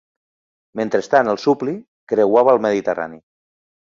Mentrestant, el "Supply" creuava el mediterrani.